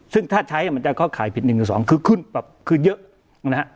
ซึ่งถ้าใช้มันจะเข้าขายผิดหนึ่งหนึ่งสองคือขึ้นแบบคือเยอะนะฮะ